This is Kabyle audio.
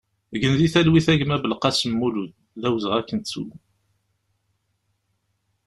Gen di talwit a gma Belkalem Mulud, d awezɣi ad k-nettu!